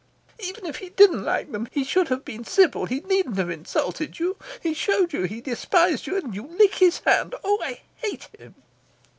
"Even if he didn't like them he should have been civil. He needn't have insulted you. He showed that he despised you, and you lick his hand. Oh, I hate him."